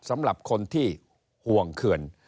สำหรับคนที่ห่วงเขื่อน